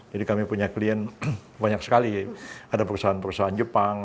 jadi kami punya klien banyak sekali ada perusahaan perusahaan jepang